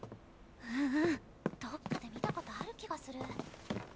うんうんどっかで見たことある気がする。